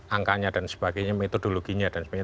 angkanya dan sebagainya metodologinya dan sebagainya